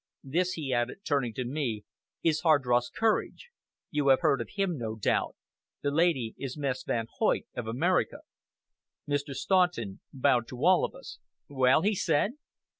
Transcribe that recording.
This," he added, turning to me, "is Hardross Courage. You have heard of him, no doubt. The lady is Miss Van Hoyt of America." Mr. Staunton bowed to all of us. "Well?" he said.